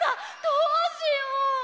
どうしよう！？